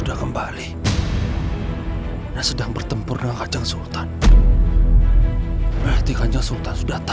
di mana voicodere myung diadakan sebagai pelind offenders